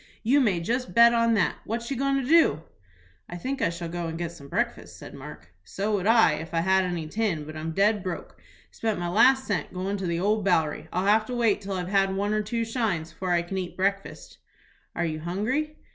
"You may just bet on that. What you goin' to do?" "I think I shall go and get some breakfast," said Mark. "So would I, if I had any tin; but I'm dead broke, spent my last cent goin' to the Old Bowery. I'll have to wait till I've had one or two shines before I can eat breakfast." "Are you hungry?"